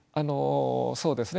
そうですね。